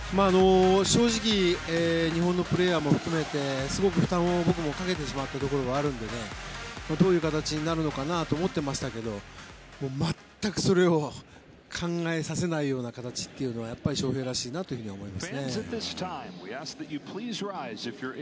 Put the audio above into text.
正直日本のプレーヤーも含めてすごく負担を僕もかけてしまったところがあるのでどういう形になるかなと思ってましたが全くそれを考えさせない形というのはやっぱり翔平らしいなと思いますね。